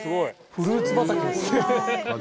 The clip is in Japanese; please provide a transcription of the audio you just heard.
フルーツ畑ですね。